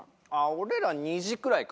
俺ら２時くらいか。